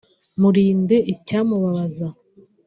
murinde icyamubabaza